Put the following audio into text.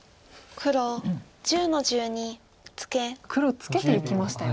黒ツケていきましたよ。